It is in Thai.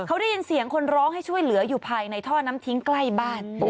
เขาได้ยินเสียงคนร้องให้ช่วยเหลืออยู่ภายในท่อน้ำทิ้งใกล้บ้าน